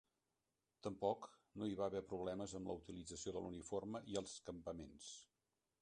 Tampoc no hi va haver problemes amb la utilització de l'uniforme i els campaments.